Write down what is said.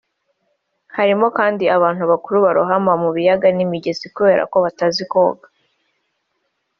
Harimo kandi abantu bakuru barohama mu biyaga n’imigezi kubera ko baba batazi koga